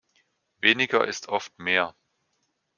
Weniger ist oft mehr.